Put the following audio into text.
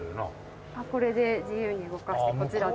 これで自由に動かしてこちらで。